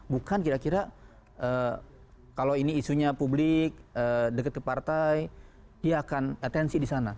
bukan kira kira kalau ini isunya publik deket ke partai dia akan atensi di sana